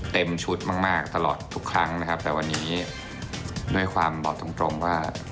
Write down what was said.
เต็มชุดมากมากตลอดทุกครั้งนะครับแต่วันนี้ด้วยความบอกตรงตรงว่า